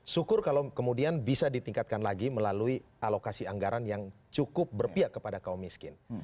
syukur kalau kemudian bisa ditingkatkan lagi melalui alokasi anggaran yang cukup berpihak kepada kaum miskin